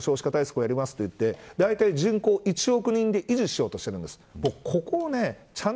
異次元の少子化対策をやりますと言って人口を１億人で維持しようとしてるんです。